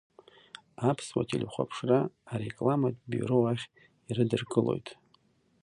Аԥсуа телехәаԥшра арекламатә биуро ахь ирыдыркылоит…